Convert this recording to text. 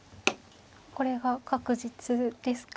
これが確実ですか。